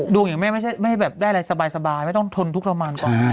อย่างแม่ไม่ได้แบบได้อะไรสบายไม่ต้องทนทุกข์ทรมานก่อน